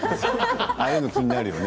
ああいうの気になるよね。